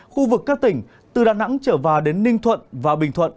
khu vực các tỉnh từ đà nẵng trở vào đến ninh thuận và bình thuận